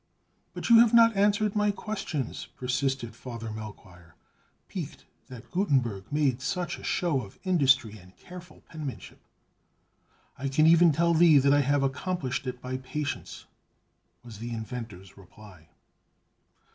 "But you have not answered my questions!" persisted Father Melchoir, piqued that Gutenberg made such a show of industry and careful penmanship. "I can even tell thee that I have accomplished it by patience," was the inventor's reply.